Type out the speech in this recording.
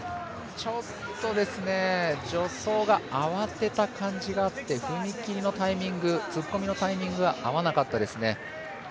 ちょっと助走が慌てた感じがあって踏み切りのタイミング突っ込みのタイミングが合わなかったですね。